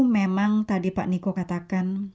memang tadi pak niko katakan